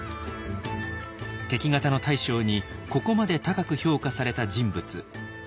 敵方の大将にここまで高く評価された人物